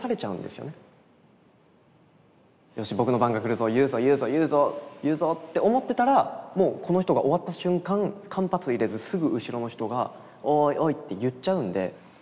「よし僕の番が来るぞ言うぞ言うぞ言うぞ言うぞ」って思ってたらもうこの人が終わった瞬間間髪いれずすぐ後ろの人が「おいおい」って言っちゃうんで。